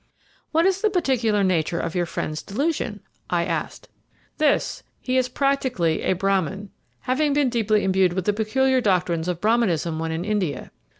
"What is the particular nature of your friend's delusion?" I asked. "This. He is practically a Brahmin, having been deeply imbued with the peculiar doctrines of Brahminism when in India.